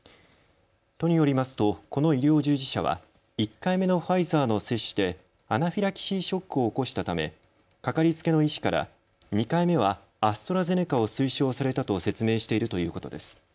都によりますとこの医療従事者は１回目のファイザーの接種でアナフィラキシーショックを起こしたためかかりつけの医師から２回目はアストラゼネカを推奨されたと説明しているということです。